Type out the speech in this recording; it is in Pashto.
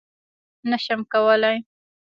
_نه شم کولای.